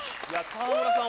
川村さん